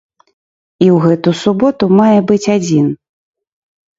І ў гэту суботу мае быць адзін.